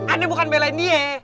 aneh bukan belain dia